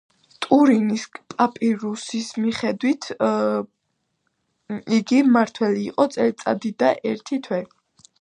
ტურინის პაპირუსის მიხედვით იგი მმართველი იყო წელიწადი და ერთი თვე.